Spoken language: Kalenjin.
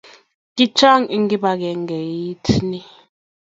kichang eng kibagengeit nii